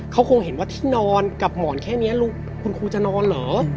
เขาคงเห็นว่าที่นอนกับหมอนแค่นี้คุณครูจะนอนเหรอ